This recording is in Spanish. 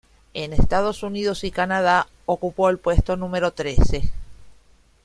En Estados Unidos y Canadá ocupó el puesto número trece.